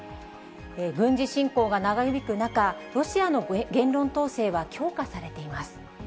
軍事侵攻が長引く中、ロシアの言論統制は強化されています。